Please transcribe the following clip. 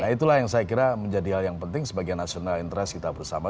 nah itulah yang saya kira menjadi hal yang penting sebagai national interest kita bersama